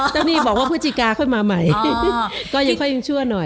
เจ้านี่บอกว่าพฤศจิกาค่อยมาใหม่ก็ยังค่อยยังชั่วหน่อย